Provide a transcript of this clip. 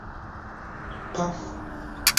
Pafu!